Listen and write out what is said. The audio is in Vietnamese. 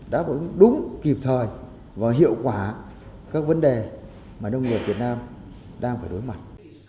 đáp ứng đúng kịp thời và hiệu quả các vấn đề mà nông nghiệp việt nam đang phải đối mặt